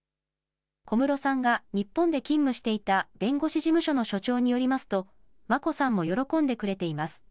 小室さんが日本で勤務していた弁護士事務所の所長によりますと、眞子さんも喜んでくれています。